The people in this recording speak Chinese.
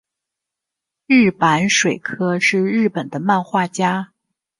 日坂水柯是日本的漫画家。